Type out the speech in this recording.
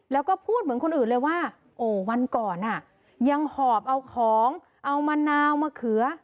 แล้วก็พูดเหมือนคนอื่นเลยว่าโอ้วันก่อนยังหอบเอาของเอามะนาวมะเขือ